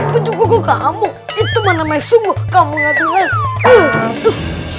baju koko kamu itu mana namanya sungguh kamu ngadu ngadu